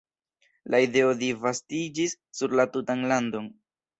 La ideo disvastiĝis sur la tutan landon.